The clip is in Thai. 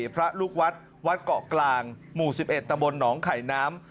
พระลูกวัดวัดเกาะกลางหมู่๑๑ตำบลหนองไข่น้ำ